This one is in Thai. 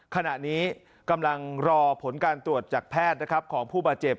ขณะนี้กำลังรอผลการตรวจจากแพทย์ของผู้บาดเจ็บ